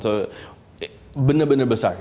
so benar benar besar